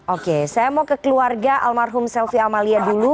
oke saya mau ke keluarga almarhum selvi amalia dulu